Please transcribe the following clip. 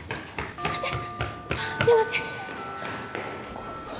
すいません！